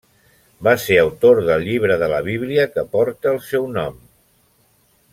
Va ser autor del llibre de la Bíblia que porta el seu nom.